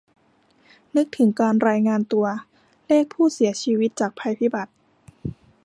นึกถึงการรายงานตัวเลขผู้เสียชีวิตจากภัยพิบัติ